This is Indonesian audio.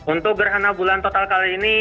untuk gerhana bulan total kali ini